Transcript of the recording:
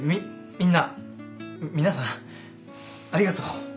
みんな皆さんありがとう。